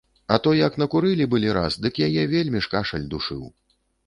А то як накурылі былі раз, дык яе вельмі ж кашаль душыў.